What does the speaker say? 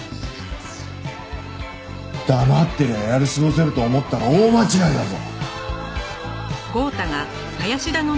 黙ってりゃやり過ごせると思ったら大間違いだぞ。